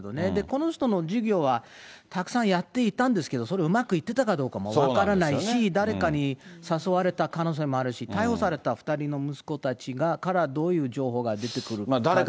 この人の事業は、たくさんやっていたんですけど、それがうまくいってたかどうかも分からないし、誰かに誘われた可能性もあるし、逮捕された２人の息子たちから、どういう情報が出てくるかですね。